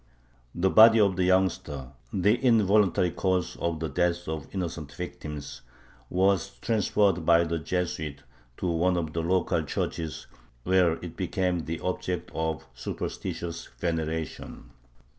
The body of the youngster, the involuntary cause of the death of innocent victims, was transferred by the Jesuits to one of the local churches, where it became the object of superstitious veneration.